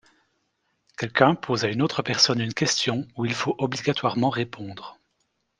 Quelqu'un pose à une autre personne une question où il faut obligatoirement répondre.